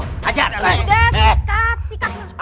udah sikat sikat